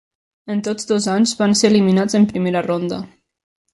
En tots dos anys, van ser eliminats en primera ronda.